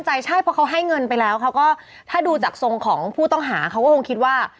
ใช่เพราะเขาให้เงินไปแล้วเขาก็ถ้าดูจากทรงของผู้ต้องหาเขาก็คงคิดว่า